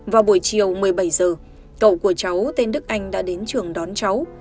vào buổi chiều một mươi bảy giờ cậu của cháu tên đức anh đã đến trường đón cháu